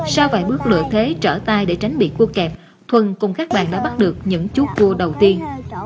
sau vài bước lựa thế trở tay để tránh bị cua kẹp thuận cùng các bạn đã bắt được những chú cua đầu tiên